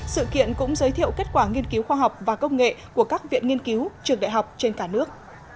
sự kiện cũng giới thiệu kết quả nghiên cứu khoa học và công nghệ của các viện nghiên cứu trường đại học trên cả nước